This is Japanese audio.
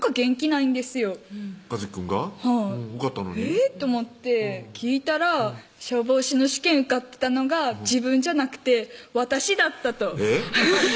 はいえっ？と思って聞いたら消防士の試験受かってたのが自分じゃなくて私だったとえっ？